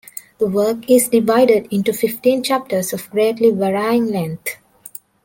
The work is divided into fifteen chapters of greatly varying length.